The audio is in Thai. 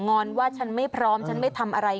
อนว่าฉันไม่พร้อมฉันไม่ทำอะไร